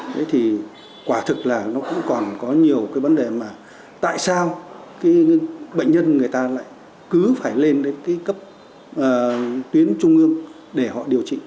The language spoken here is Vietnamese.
thế thì quả thực là nó cũng còn có nhiều cái vấn đề mà tại sao cái bệnh nhân người ta lại cứ phải lên đến cái cấp tuyến trung ương để họ điều trị